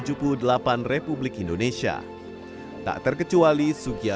juarnai pemutaran lagu indonesia pusaka